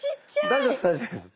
大丈夫です大丈夫です。